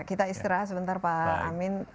kita istirahat sebentar pak amin